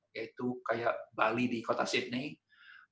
yaitu kayak bali di kota sydney